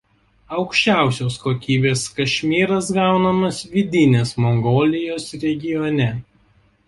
Aukščiausios kokybės kašmyras gaunamas Vidinės Mongolijos regione.